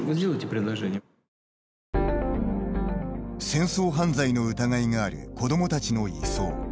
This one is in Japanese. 戦争犯罪の疑いがある子どものたちの移送。